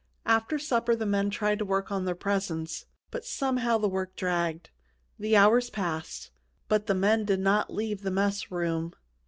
After supper the men tried to work on their presents, but somehow the work dragged. The hours passed, but the men did not leave the mess room.